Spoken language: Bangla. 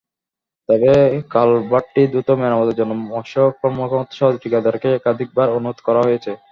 তবে কালভার্টটি দ্রুত মেরামতের জন্য মৎস্য কর্মকর্তাসহ ঠিকাদারকে একাধিকবার অনুরোধ করা হয়েছে।